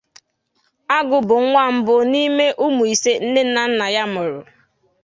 Agu bụ nwa mbụ n'ime ụmụ ise nne na nna ya mụrụ.